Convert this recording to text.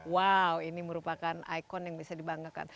wow ini merupakan ikon yang bisa dibanggakan